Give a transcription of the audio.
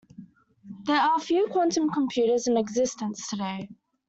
There are few Quantum computers in existence today.